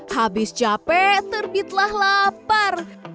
habis capek terbitlah lapar